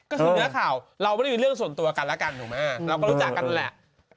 ก็คือเนื้อข่าวเราไม่ได้มีเรื่องส่วนตัวกันแล้วกันถูกไหมเราก็รู้จักกันแหละ